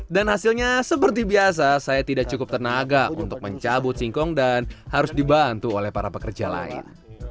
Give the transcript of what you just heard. hasilnya seperti biasa saya tidak cukup tenaga untuk mencabut singkong dan harus dibantu oleh para pekerja lain